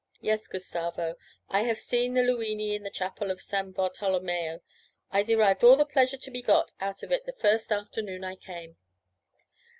'Yes, Gustavo, I have seen the Luini in the chapel of San Bartolomeo. I derived all the pleasure to be got out of it the first afternoon I came.'